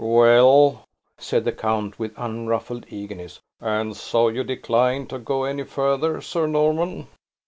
"Well," said the count, with unruffled eagerness, "and so you decline to go any further Sir Norman?"